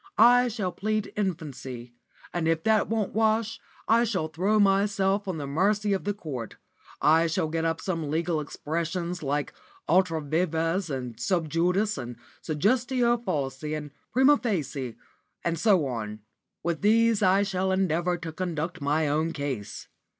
I shall plead infancy, and if that won't wash, I shall throw myself on the mercy of the Court. I shall get up some legal expressions, like ultra vires, and sub judice, and suggestio falsi, and prima facie, and so on. With these I shall endeavour to conduct my own case.